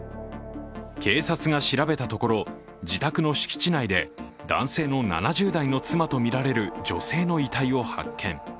警察が調べたところ、自宅の敷地内で男性の７０代の妻とみられる女性の遺体を発見。